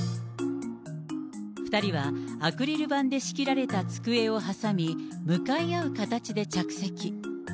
２人はアクリル板で仕切られた机を挟み、向かい合う形で着席。